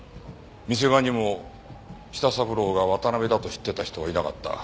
店側にも舌三郎が渡辺だと知ってた人はいなかった。